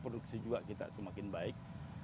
produksi juga kita semakin baik